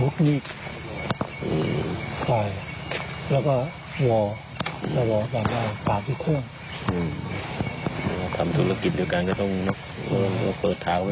ทำธุรกิจเดียวกันก็ต้องเปิดทาง